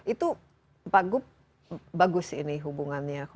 itu bagus ini hubungannya